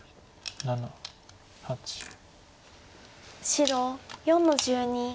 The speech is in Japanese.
白４の十二。